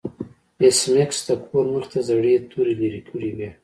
ایس میکس د کور مخې ته زړې توري لرې کړې وې